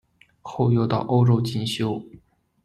后又到欧洲进修。